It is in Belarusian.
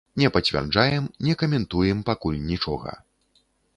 Не пацвярджаем, не каментуем пакуль нічога.